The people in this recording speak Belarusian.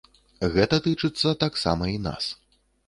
Гэта тычыцца таксама і нас.